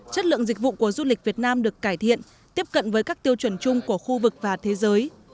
chất lượng dịch vụ của du lịch việt nam được cải thiện tiếp cận với các tiêu chuẩn chung của khu vực và thế giới